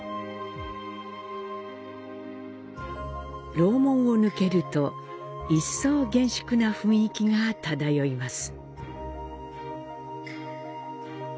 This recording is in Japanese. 楼門を抜けると、一層厳粛な雰囲気が漂います。